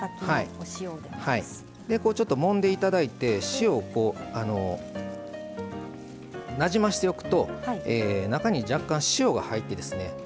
ちょっともんで頂いて塩をなじませておくと中に若干塩が入ってですね